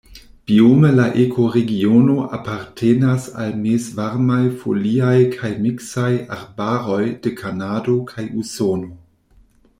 Biome la ekoregiono apartenas al mezvarmaj foliaj kaj miksaj arbaroj de Kanado kaj Usono.